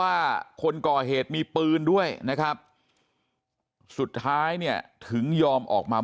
ว่าคนก่อเหตุมีปืนด้วยนะครับสุดท้ายเนี่ยถึงยอมออกมา